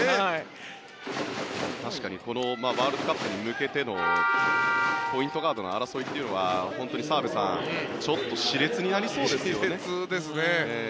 確かにこのワールドカップに向けてのポイントガードの争いというのは澤部さん、ちょっと熾烈に熾烈ですよね。